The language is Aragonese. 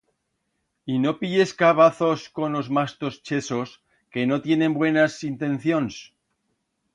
Y no pilles cabazos con os mastos chesos, que no tienen buenas intencions.